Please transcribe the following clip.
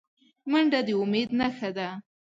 منډه د امید نښه ده